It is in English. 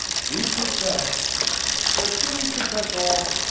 We confess; but do we confess all?